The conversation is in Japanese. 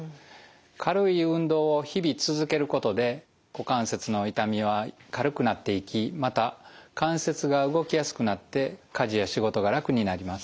軽い運動を日々続けることで股関節の痛みは軽くなっていきまた関節が動きやすくなって家事や仕事が楽になります。